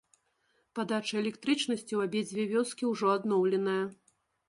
Падача электрычнасці ў абедзве вёскі ўжо адноўленая.